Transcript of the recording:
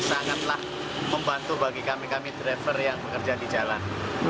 sangatlah membantu bagi kami kami driver yang bekerja di jalan